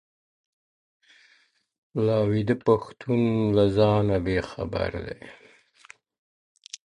لا ویده پښتون له ځانه بېخبر دی،